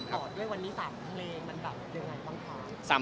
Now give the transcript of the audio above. ต่อด้วยวันนี้๓เพลงมันแบบยังไงบ้างคะ